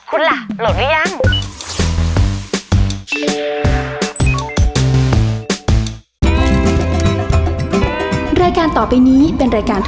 คุณล่ะโหลดหรือยัง